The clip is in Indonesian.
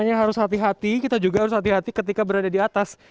hanya harus hati hati kita juga harus hati hati ketika berada di atas